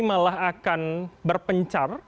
malah akan berpencar